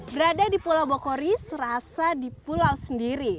berada di pulau bogori serasa di pulau sendiri